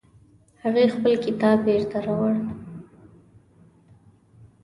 هغې خپل کتاب بیرته راوړ